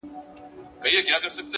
ارزښتمن ژوند له روښانه موخې پیلېږي!.